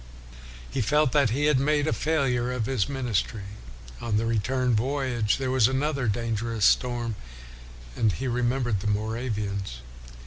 He felt that he had made a failure of his ministry. On the return voyage there was another dangerous storm, and he remembered the Moravians.